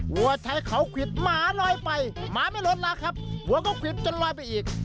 หัวไทยเขาขวิดหมาลอยไปหมาไม่ลดนะครับหัวก็ขวิดจนลอยไปอีก